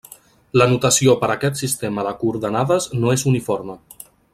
La notació per aquest sistema de coordenades no és uniforme.